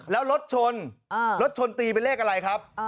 แล้วรถชนรถชนตีเป็นเลขอะไรครับ